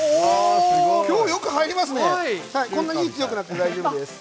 こんなに火が強くなくても大丈夫です。